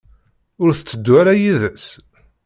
Ur tetteddu ara yid-s?